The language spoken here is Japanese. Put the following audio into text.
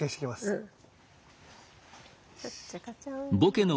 うん。